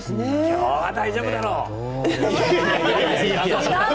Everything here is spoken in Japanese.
今日は大丈夫だろう！